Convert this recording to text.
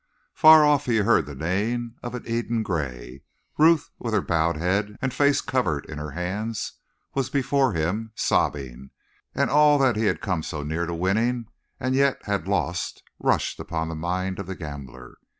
Far off he heard the neighing of an Eden Gray; Ruth, with her bowed head and face covered in her hands, was before him, sobbing; and all that he had come so near to winning and yet had lost rushed upon the mind of the gambler.